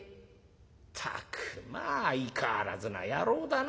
「ったくまあ相変わらずな野郎だな。